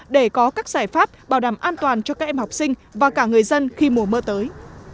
để có các giải pháp bảo đảm an toàn cho các em học sinh và cả người dân khi mùa mưa tới